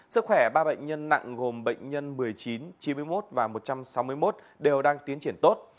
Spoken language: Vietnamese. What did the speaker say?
sức khỏe ba bệnh nhân nặng gồm bệnh nhân một mươi chín chín mươi một và một trăm sáu mươi một đều đang tiến triển tốt